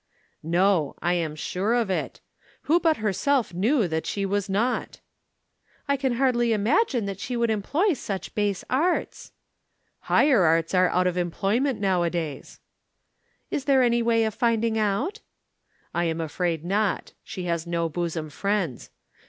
"No. I am sure of it. Who but herself knew that she was not?" "I can hardly imagine that she would employ such base arts." "Higher arts are out of employment nowadays." "Is there any way of finding out?" "I am afraid not. She has no bosom friends.